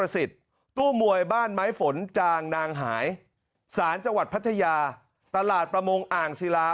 สนจางนางหายสารจังหวัดพระทยาตลาดประโมงอ่างศิลา